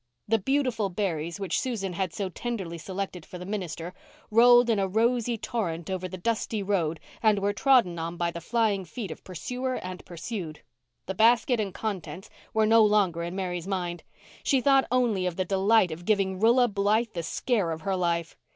The beautiful berries, which Susan had so tenderly selected for the minister, rolled in a rosy torrent over the dusty road and were trodden on by the flying feet of pursuer and pursued. The basket and contents were no longer in Mary's mind. She thought only of the delight of giving Rilla Blythe the scare of her life.